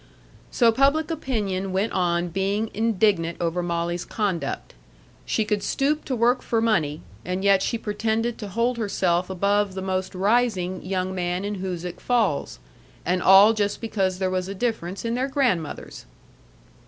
So public opinion went on being indignant over Molly's conduct. She could stoop to work for money, and yet she pretended to hold herself above the most rising young man in Hoosic Falls, and all just because there was a difference in their grandmothers!